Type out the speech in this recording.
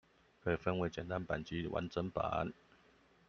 可以分為簡單版及完整版